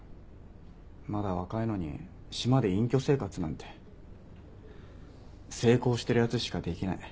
まだ若いのに島で隠居生活なんて成功してるやつしかできない。